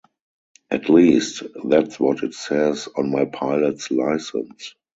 At least, that's what it says on my pilot's licence.